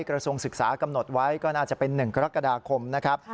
กระทรวงศึกษากำหนดไว้ก็น่าจะเป็น๑กรกฎาคมนะครับ